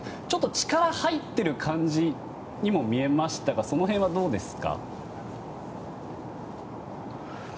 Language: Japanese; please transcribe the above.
ちょっと力が入っている感じにも見えましたがその辺はどうですか？